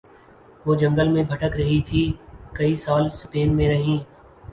وہ جنگل میں بھٹک رہی تھی کئی سال سپین میں رہیں